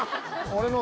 俺の。